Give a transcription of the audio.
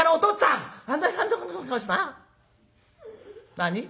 「何？